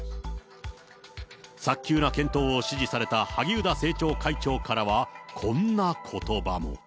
早急な検討を指示された萩生田政調会長からはこんなことばも。